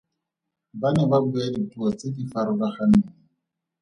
Ba ne ba bua dipuo tse di farologaneng.